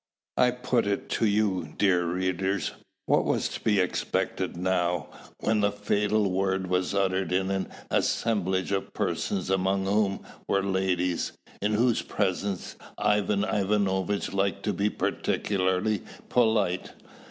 I put it to you, dear readers, what was to be expected now, when the fatal word was uttered in an assemblage of persons among whom were ladies, in whose presence Ivan Ivanovitch liked to be particularly polite?